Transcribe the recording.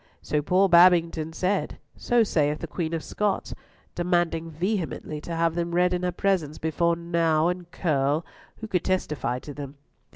So poor Babington said, so saith the Queen of Scots, demanding vehemently to have them read in her presence before Nau and Curll, who could testify to them.